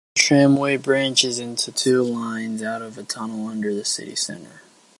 The tramway branches into two lines out of a tunnel under the city centre.